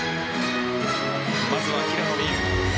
まずは平野美宇。